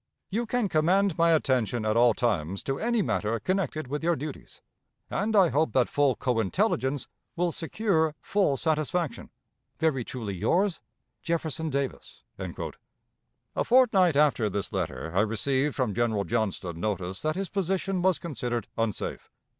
"You can command my attention at all times to any matter connected with your duties, and I hope that full co intelligence will secure full satisfaction. Very truly yours, "Jefferson Davis." A fortnight after this letter, I received from General Johnston notice that his position was considered unsafe.